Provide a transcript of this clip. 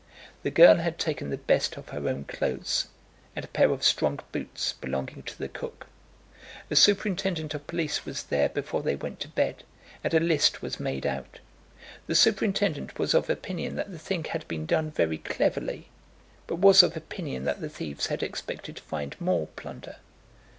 The girl had taken the best of her own clothes, and a pair of strong boots belonging to the cook. A superintendent of police was there before they went to bed, and a list was made out. The superintendent was of opinion that the thing had been done very cleverly, but was of opinion that the thieves had expected to find more plunder.